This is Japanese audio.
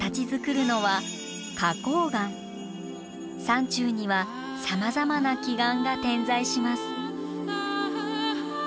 山中にはさまざまな奇岩が点在します。